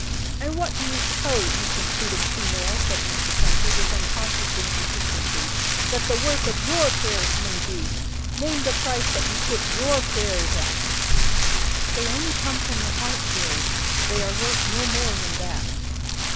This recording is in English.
"And what do you suppose, you conceited female," said Mr. Cruncher, with unconscious inconsistency, "that the worth of your prayers may be? Name the price that you put your prayers at!" "They only come from the heart, Jerry. They are worth no more than that."